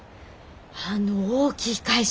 あの大きい会社！